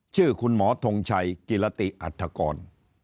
ชื่อคุณหมอทงชัยกิรติอัฐกร